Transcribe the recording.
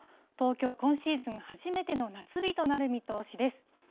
東京は今シーズン初めての夏日となる見通しです。